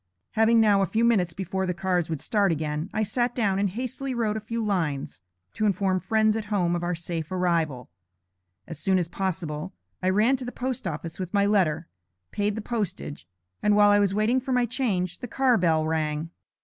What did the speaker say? Having now a few minutes before the cars would start again, I sat down and hastily wrote a few lines, to inform friends at home of our safe arrival. As soon as possible, I ran to the post office with my letter, paid the postage, and while I was waiting for my change, the car bell rang.